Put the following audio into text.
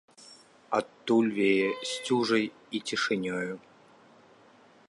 Адтуль вее сцюжай і цішынёю.